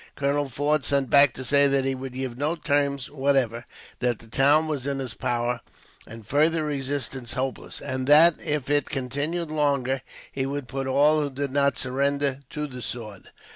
Colonel Forde sent back to say that he would give no terms whatever; that the town was in his power and further resistance hopeless; and that, if it continued longer, he would put all who did not surrender to the sword.